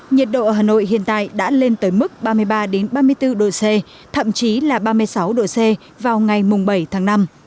nhiệt độ ở hà nội hiện tại đã lên tới mức ba mươi ba ba mươi bốn độ c thậm chí là ba mươi sáu độ c vào ngày bảy tháng năm